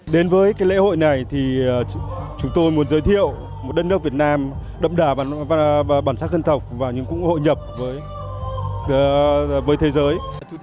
đến với cái lễ hội này thì chúng tôi muốn giới thiệu một đất nước việt nam đậm đà bản sắc dân tộc và nhưng cũng hội nhập với thế giới